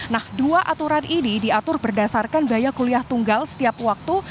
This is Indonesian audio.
nah dua aturan ini diatur berdasarkan biaya kuliah tunggal setiap waktu